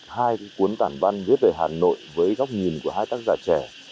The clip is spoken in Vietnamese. hai cái cuốn tản văn viết về hà nội với góc nhìn của hai tác giả trẻ